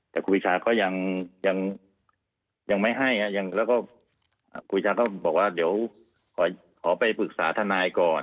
แต่ครูปีชาก็ยังไม่ให้แล้วก็ครูปีชาก็บอกว่าเดี๋ยวขอไปปรึกษาทนายก่อน